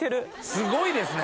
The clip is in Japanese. すごいですね！